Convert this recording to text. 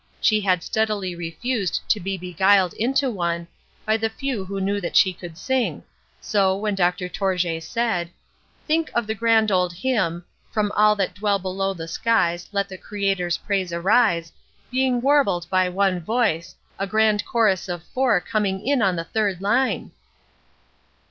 She had steadily refused to be beguiled into one, by the few who knew that she could sing, so, when Dr. Tourjée said: "Think of the grand old hymn, 'From all that dwell below the skies, let the Creator's praise arise,' being warbled by one voice, a grand chorus of four coming in on the third line!"